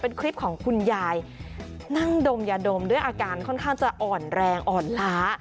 เป็นคลิปของคุณยายนั่งดมยาดมด้วยอาการค่อนข้างจะอ่อนแรงอ่อนล้า